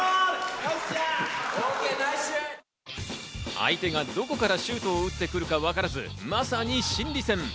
相手がどこからシュートを打ってくるかわからず、まさに心理戦。